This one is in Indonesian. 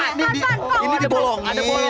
oh ini ini dibolongin